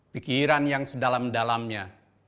pikiran yang sedalam dalamnya